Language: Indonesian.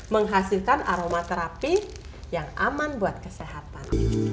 menghasilkan aromaterapi yang aman buat kesehatan